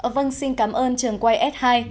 vâng xin cảm ơn trường quay s hai